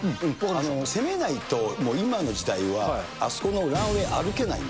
攻めないと、もう今の時代は、あそこのランウェイ、歩けないよ。